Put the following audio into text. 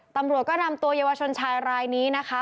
ตำรวจก็นำตัวเยาวชนชายรายนี้นะคะ